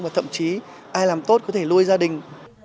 và thậm chí ai làm tốt có thể lôi gia đình